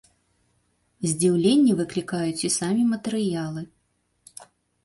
Здзіўленне выклікаюць і самі матэрыялы.